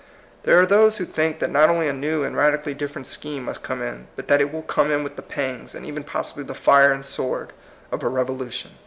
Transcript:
There are those who think that not only a new and radically different scheme must come in, but that it will come in with the pangs, and even possibly the fii*e and sword, of a revolution.